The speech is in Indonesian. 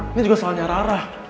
ini juga salahnya rara